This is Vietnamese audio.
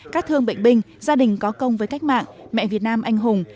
các thương bệnh binh gia đình có công với cách mạng mẹ việt nam anh hùng